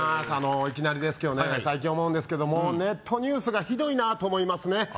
いきなりですけどね最近思うんですけどもネットニュースがひどいなと思いますねああ